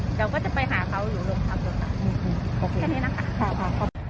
เดี๋ยวก็จะไปหาเขาอยู่ลงทางรถค่ะอืมอืมแค่นี้นะคะค่ะค่ะ